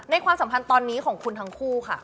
ความสัมพันธ์ตอนนี้ของคุณทั้งคู่ค่ะ